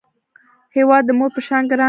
هیواد د مور په شان ګران دی